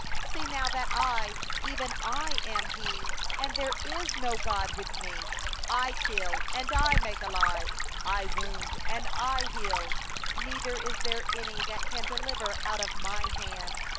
39See now that I, even I, am He, And there is no god with Me; I kill, and I make alive; I have wounded, and I heal; And there is none that can deliver out of My hand.